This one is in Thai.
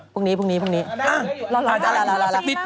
พรุ่งนี้